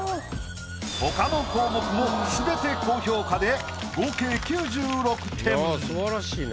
他の項目も全て高評価で合計９６点。